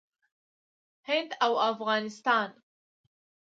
هند او افغانستان